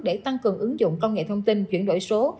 để tăng cường ứng dụng công nghệ thông tin chuyển đổi số